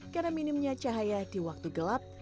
karena minimnya cahaya di waktu gelap